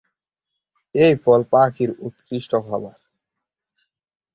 এর ফল পাখির উৎকৃষ্ট খাবার।